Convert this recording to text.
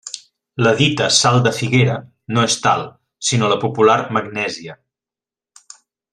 La dita sal de figuera no és tal, sinó la popular magnèsia.